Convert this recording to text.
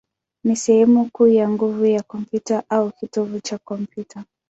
ni sehemu kuu ya nguvu ya kompyuta, au kitovu cha kompyuta.